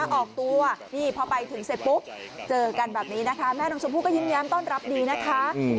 ออกตัวนี่พอไปถึงเสร็จปุ๊บเจอกันแบบนี้นะคะแม่น้องชมพู่ก็ยิ้มแย้มต้อนรับดีนะคะ